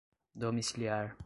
domiciliar